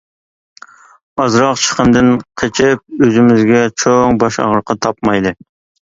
ئازراق چىقىمدىن قېچىپ ئۆزىمىزگە چوڭ باش ئاغرىقى تاپمايلى.